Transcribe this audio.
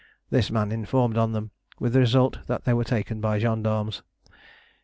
This man informed on them, with the result that they were taken by gendarmes.